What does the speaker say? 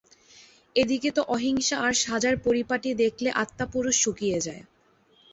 এদিকে তো অহিংসা আর সাজার পরিপাটি দেখলে আত্মাপুরুষ শুকিয়ে যায়।